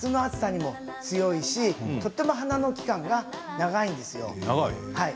夏の暑さにも強いし花の期間が長いんですよ。